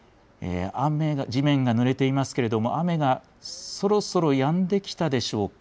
地面がぬれていますけれども、雨がそろそろやんできたでしょうか。